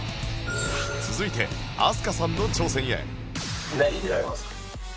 続いて飛鳥さんの挑戦へ